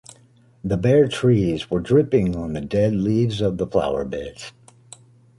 The bare trees were dripping on the dead leaves of the flower beds.